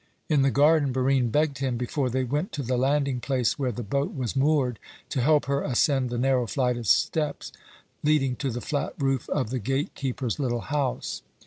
In the garden Barine begged him, before they went to the landing place where the boat was moored, to help her ascend the narrow flight of steps leading to the flat roof of the gatekeeper's little house.